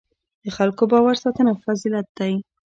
د خلکو باور ساتنه فضیلت دی.